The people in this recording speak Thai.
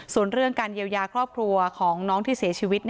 ส่วนเรื่องการเยียวยาครอบครัวของน้องที่เสียชีวิต